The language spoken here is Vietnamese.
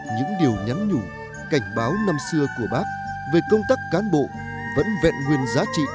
những điều nhắn nhủ cảnh báo năm xưa của bác về công tác cán bộ vẫn vẹn nguyên giá trị